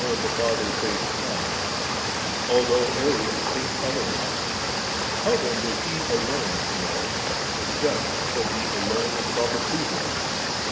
Ex. xxxiii. aa 7 Matt.SI.a7. the Son*,* though Arius think otherwise. How then did He alone know, except that He alone was proper to Him